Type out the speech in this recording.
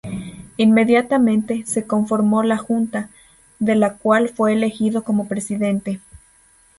Inmediatamente, se conformó la Junta, de la cual fue elegido como Presidente.